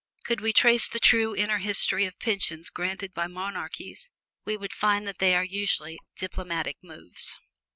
Could we trace the true inner history of pensions granted by monarchies, we would find that they are usually diplomatic moves.